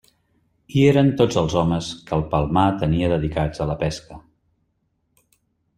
Hi eren tots els homes que el Palmar tenia dedicats a la pesca.